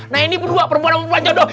nah ini berdua perempuan perempuan jodoh